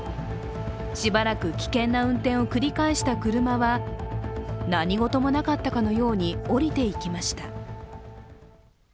しばらく危険な運転を繰り返した車は何事もなかったかのように降りていきました。